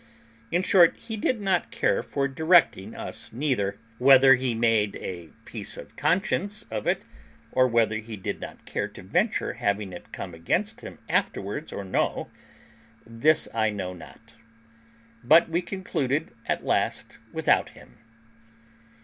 In short, he did not care for directing us neither; whether he made a piece of conscience of it, or whether he did not care to venture having it come against him afterwards or no, this I know not; but we concluded at last without him.